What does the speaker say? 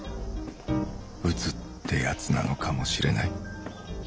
鬱ってヤツなのかもしれない。